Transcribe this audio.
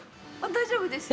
大丈夫ですか？